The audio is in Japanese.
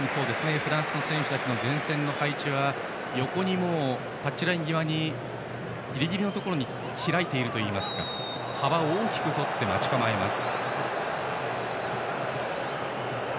フランスの選手たちの前線の配置は横にタッチライン際のギリギリのところに開いているといいますか幅を大きく取って待ち構えます。